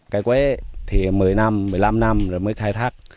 cây quế thì một mươi năm một mươi năm năm rồi mới khai thác